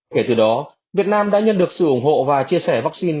kể từ đó việt nam đã nhận được sự ủng hộ và chia sẻ vaccine